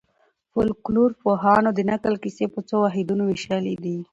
فولکلورپوهانو د نکل کیسې په څو واحدونو وېشلي دي.